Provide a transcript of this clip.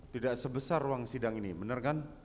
tidak sebesar ruang sidang ini benar kan